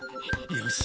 よし！